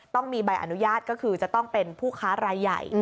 ต้องมีใบอนุญาตก็คือจะต้องเป็นผู้ค้ารายใหญ่